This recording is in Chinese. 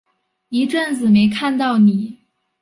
一阵子没看到妳